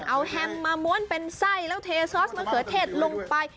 เอาแฮมมาม้วนเป็นไส้แล้วเทซอสมะเขือเทศลงไป